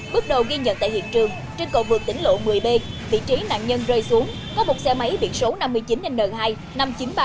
bước đầu ghi nhận tại hiện trường trên cầu vượt tỉnh lộ một mươi b vị trí nạn nhân rơi xuống có một xe máy điện số năm mươi chín n hai năm mươi chín nghìn ba trăm linh bảy